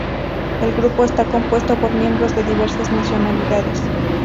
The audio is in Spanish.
El grupo está compuesto por miembros de diversas nacionalidades.